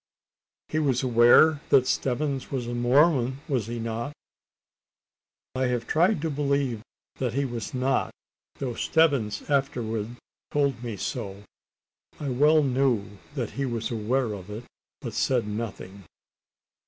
"He was aware that Stebbins was a Mormon was he not?" "I have tried to believe that he was not though Stebbins afterwards told me so." I well knew that he was aware of it, but said nothing.